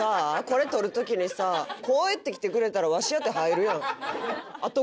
これ撮る時にさこうやってきてくれたらわしやって入るやん。